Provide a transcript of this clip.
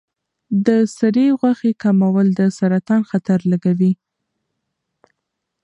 د سرې غوښې کمول د سرطان خطر لږوي.